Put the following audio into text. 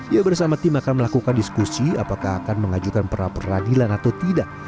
ia bersama tim akan melakukan diskusi apakah akan mengajukan peradilan atau tidak